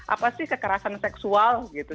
apa sih kekerasan seksual gitu